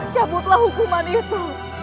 cabutlah hukuman itu